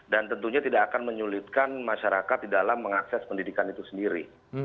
dan tentunya tidak akan menyulitkan masyarakat di dalam mengakses pendidikan itu sendiri